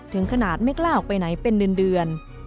ถึงขนาดไม่กล้าออกไปไหนเป็นเดือน